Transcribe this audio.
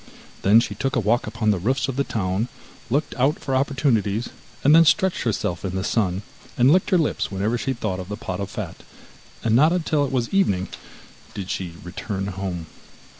Then she took a walk upon the roofs of the town, looked out for opportunities, and then stretched herself in the sun, and licked her lips whenever she thought of the pot of fat, and not until it was evening did she return home.